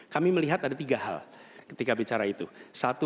saya ingin mengingat ada tiga hal